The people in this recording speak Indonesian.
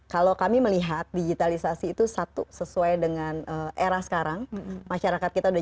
kalau kami melihat digitalisasi itu satu sesuai dengan era sekarang masyarakat kita sudah